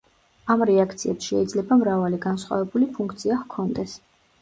ამ რეაქციებს შეიძლება მრავალი განსხვავებული ფუნქცია ჰქონდეს.